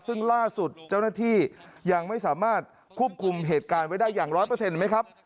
ซึ่งล่าสุดเจ้าหน้าที่ยังไม่สามารถควบคุมเหตุการณ์ไว้ได้อย่างร้อยเปอร์เซ็นต์ไหมครับ